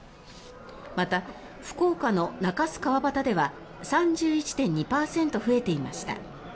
また、福岡の中洲川端では３１．２％増えていました。